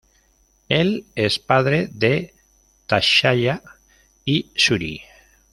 Él es el padre de T'Challa y Shuri.